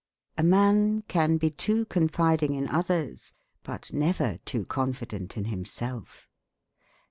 "A man can be too confiding in others, but never too confident in himself."